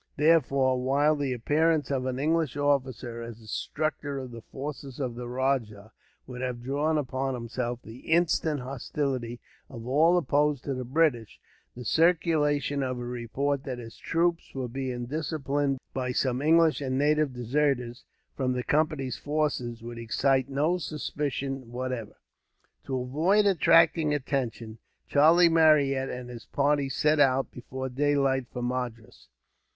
Therefore, while the appearance of an English officer, as instructor of the forces of the rajah, would have drawn upon himself the instant hostility of all opposed to the British; the circulation of a report that his troops were being disciplined by some English and native deserters, from the Company's forces, would excite no suspicion whatever. To avoid attracting attention, Charlie Marryat and his party set out before daylight from Madras.